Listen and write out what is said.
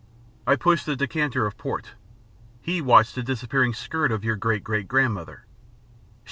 I pushed the decanter of port. "He watched the disappearing skirt of your great great grandmother."